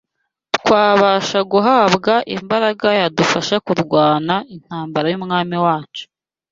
twabasha guhabwa imbaraga yadufasha kurwana intambara y’Umwami wacu